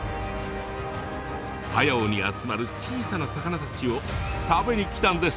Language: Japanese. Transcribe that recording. パヤオに集まる小さな魚たちを食べに来たんです。